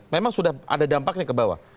memang sudah ada dampaknya ke bawah